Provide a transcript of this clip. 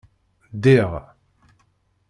Ddiɣ